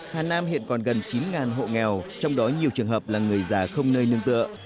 hà nam hiện còn gần chín hộ nghèo trong đó nhiều trường hợp là người già không nơi nương tựa